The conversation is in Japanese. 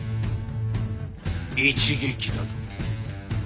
一撃だぞ。